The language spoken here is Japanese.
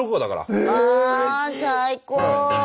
あ最高。